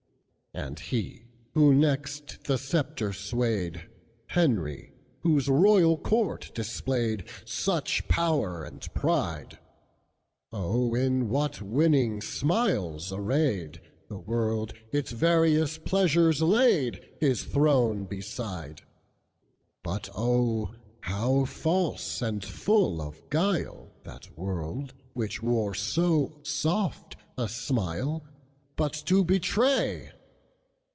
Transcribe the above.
And he who next the sceptre swayed, Henry, whose royal court displayedSuch power and pride; Oh, in what winning smiles arrayed, The world its various pleasures laidHis throne beside! But oh, how false and full of guileThat world, which wore so soft a smileBut to betray!